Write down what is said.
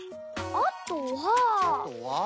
あとは？